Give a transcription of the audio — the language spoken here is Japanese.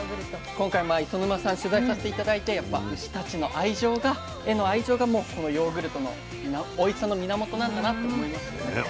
今回磯沼さん取材させて頂いて牛たちへの愛情がこのヨーグルトのおいしさの源なんだなと思いましたね。